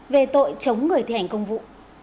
về tội chống người thi hành công vụ